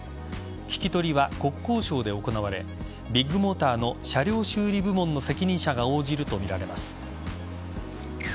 聞き取りは国交省で行われビッグモーターの車両修理部門の責任者が応じるとみられます。